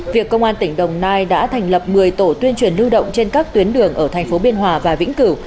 việc công an tỉnh đồng nai đã thành lập một mươi tổ tuyên truyền lưu động trên các tuyến đường ở thành phố biên hòa và vĩnh cửu